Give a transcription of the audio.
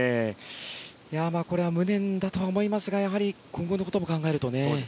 これは無念だとは思いますが今後のことも考えるとね。